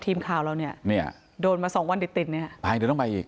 ทีมข่าวเราเนี่ยเนี่ยโดนมาสองวันติดติดเนี่ยตายเดี๋ยวต้องไปอีก